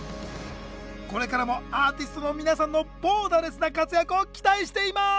これからもアーティストの皆さんのボーダレスな活躍を期待しています！